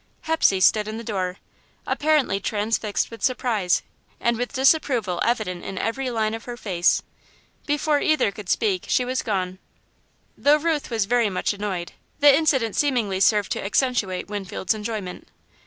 Hepsey stood in the door, apparently transfixed with surprise, and with disapproval evident in every line of her face. Before either could speak, she was gone. Though Ruth was very much annoyed, the incident seemingly served to accentuate Winfield's enjoyment.